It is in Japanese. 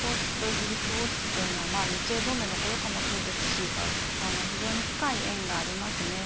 そうですね日本の皇室とイギリス王室というのは日英の同盟のころからそうですし非常に深い縁があります。